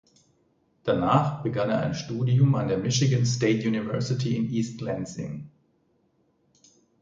Danach begann er ein Studium an der Michigan State University in East Lansing.